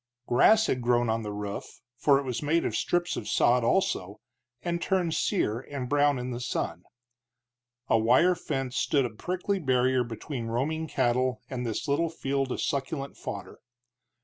Grass had grown on the roof, for it was made of strips of sod, also, and turned sere and brown in the sun. A wire fence stood a prickly barrier between roaming cattle and this little field of succulent fodder.